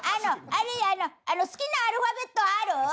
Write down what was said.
あれあの好きなアルファベットある？